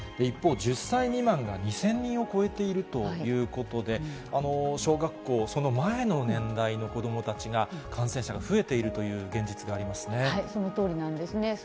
一方、１０歳未満が２０００人を超えているということで、小学校、その前の年代の子どもたちが感染者が増えているという現実がありそのとおりなんですね。